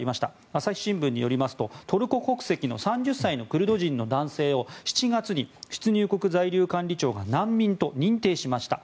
朝日新聞によりますとトルコ国籍の３０歳のクルド人の男性を７月に出入国在留管理庁が難民と認定しました。